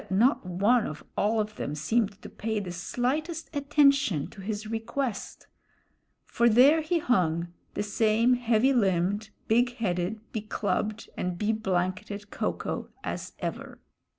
But not one of all of them seemed to pay the slightest attention to his request; for there he hung, the same heavy limbed, big headed, be clubbed, and be blanketed Ko ko as ever.